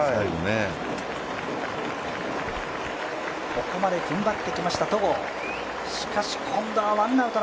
ここまで踏ん張ってきました戸郷。